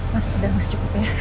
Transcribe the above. mas udah mas cukup ya